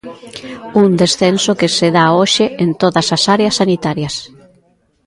Un descenso que se dá hoxe en todas as áreas sanitarias.